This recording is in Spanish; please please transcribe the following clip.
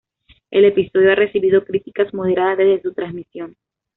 El episodio ha recibido críticas moderadas desde su transmisión.